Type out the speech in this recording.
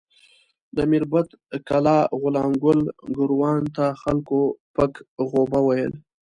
د میربت کلا غلام ګل ګوروان ته خلکو پک غوبه ویل.